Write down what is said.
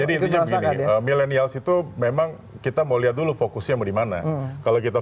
jadi intinya begini millenials itu memang kita mau lihat dulu fokusnya mau dimana kalau kita